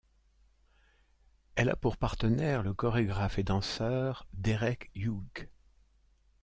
Elle a pour partenaire, le chorégraphe et danseur Derek Hough.